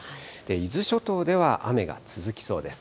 伊豆諸島では雨が続きそうです。